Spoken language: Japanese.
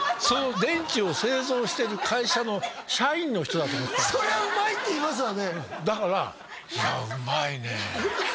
電池を製造してる会社の社員の人だと思ってたそりゃうまいって言いますわねだから「いやうまいね」